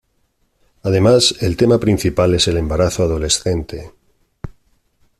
Además, el tema principal es el embarazo adolescente.